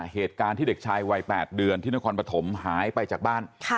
เหตุการณ์ที่เด็กชายวัย๘เดือนที่นครปฐมหายไปจากบ้าน